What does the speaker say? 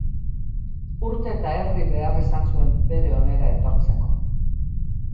Urte eta erdi behar izan zuen bere onera etortzeko.